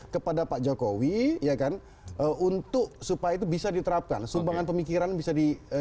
kepada pak jokowi ya kan untuk supaya itu bisa diterapkan sumbangan pemikiran bisa di